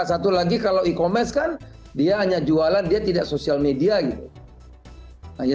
satu lagi kalau e commerce kan dia hanya jualan dia tidak sosial media gitu